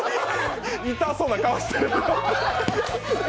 痛そうな顔してる。